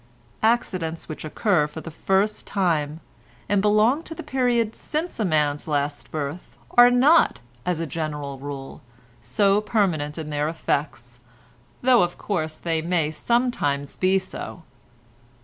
Accidents which occur for the first time, and belong to the period since a man's last birth, are not, as a general rule, so permanent in their effects, though of course they may sometimes be so.